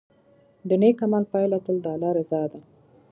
د نیک عمل پایله تل د الله رضا ده.